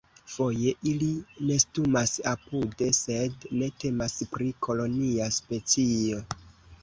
Foje ili nestumas apude, sed ne temas pri kolonia specio.